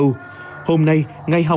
trường mầm non bình binh quận hải châu